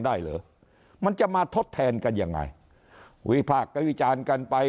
ได้หรือมันจะมาทดแทนกันอย่างไรหวีภาคก็วิจารณ์กันไป